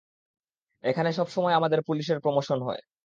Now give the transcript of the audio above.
এখানে সবসময় আমাদের পুলিশের প্রোমোশন হয়।